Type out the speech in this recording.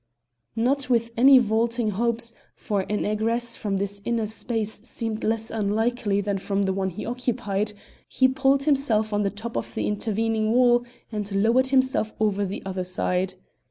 Not with any vaulting hopes, for an egress from this inner space seemed less unlikely than from the one he occupied, he pulled himself on the top of the intervening wall and lowered himself over the other side.